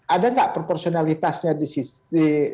ada nggak proporsionalitasnya di sisi